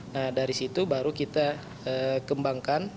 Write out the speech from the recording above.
nah dari situ baru kita kembangkan